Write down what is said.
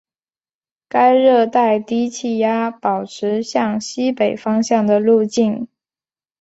该热带低气压保持向西北方向的路径。